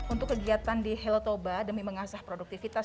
untuk kegiatan di helotoba demi mengasah produktivitas